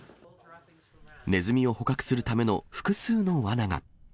ネズミを捕獲するための複数のわなが。